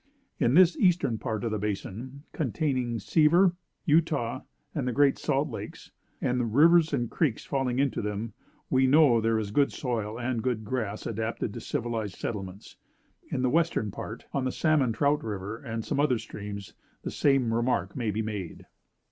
In this eastern part of the basin, containing Sevier, Utah, and the Great Salt lakes, and the rivers and creeks falling into them, we know there is good soil and good grass, adapted to civilized settlements. In the western part, on Salmon trout River, and some other streams, the same remark may be made."